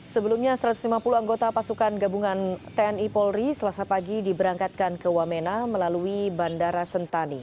sebelumnya satu ratus lima puluh anggota pasukan gabungan tni polri selasa pagi diberangkatkan ke wamena melalui bandara sentani